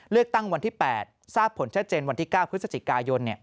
เลือกตั้งวันที่๘ทราบผลชัดเจนวันที่๙พฤศจิกายน